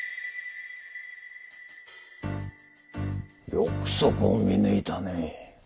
よくそこを見抜いたね。